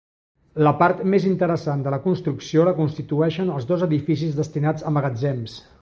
La part més interessant de la construcció la constitueixen els dos edificis destinats a magatzems.